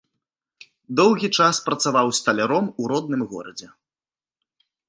Доўгі час працаваў сталяром у родным горадзе.